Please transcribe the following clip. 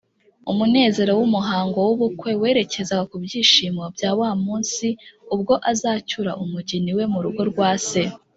umunezero w’umuhango w’ubukwe werekezaga ku byishimo bya wa munsi ubwo azacyura umugeni we mu rugo rwa Se